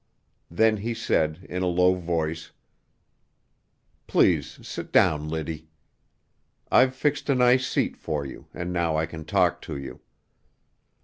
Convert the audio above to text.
Then he said, in a low voice: "Please sit down, Liddy. I've fixed a nice seat for you, and now I can talk to you."